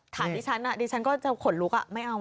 ดิฉันดิฉันก็จะขนลุกไม่เอา